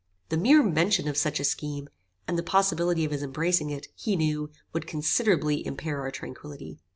The mere mention of such a scheme, and the possibility of his embracing it, he knew, would considerably impair our tranquillity.